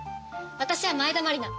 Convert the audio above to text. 私は前田真利菜。